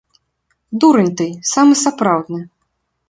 Дурань ты, самы сапраўдны.